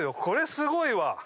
これすごいわ。